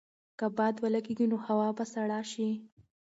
که باد ولګېږي نو هوا به سړه شي.